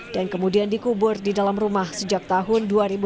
dan kemudian dikubur di dalam rumah sejak tahun dua ribu delapan belas